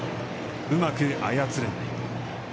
うまく操れない。